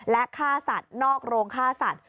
และฆ่าสัตว์นอกโรงฆ่าสัตว